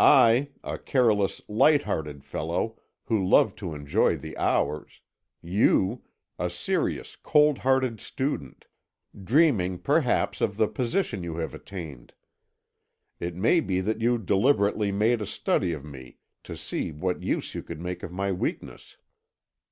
I, a careless, light hearted fellow who loved to enjoy the hours; you, a serious, cold hearted student, dreaming perhaps of the position you have attained. It may be that you deliberately made a study of me to see what use you could make of my weakness.